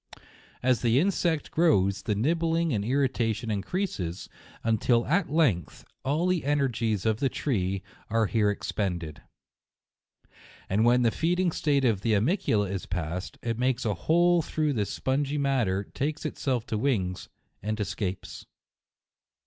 As the insect grows, the nibbling and irrita tion increases, until at length all the energies of the tree are here expended. And when the feeding state of the animalcula is past, it makes a hole through this spongy matter, takes to itself wings, and escapes.